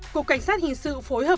cục cảnh sát hình sự phối hợp